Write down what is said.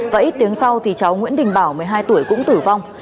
và ít tiếng sau thì cháu nguyễn đình bảo một mươi hai tuổi cũng tử vong